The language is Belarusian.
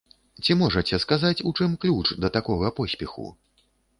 Ці можаце сказаць, у чым ключ да такога поспеху?